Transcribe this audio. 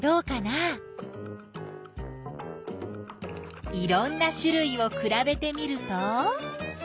いろんなしゅるいをくらべてみると？